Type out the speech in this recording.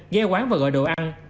ghé quán và gọi đồ ăn